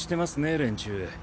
連中。